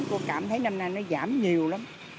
cô cảm thấy năm nay nó giảm nhiều lắm